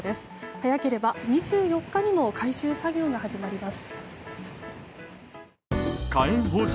早ければ２４日にも回収作業が始まります。